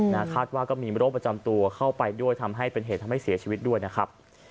คาดว่าก็มีโรคประจำตัวเข้าไปด้วยทำให้เป็นเหตุทำให้เสียชีวิตด้วยนะครับ